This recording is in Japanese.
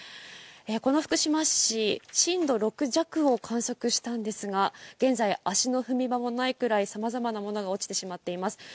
この福島市、震度６弱を観測したんですが、現在、足の踏み場もないくらいさまざまな物が落ちてしまっています。